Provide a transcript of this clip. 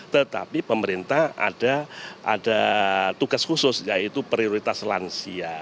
tetapi pemerintah ada tugas khusus yaitu prioritas lansia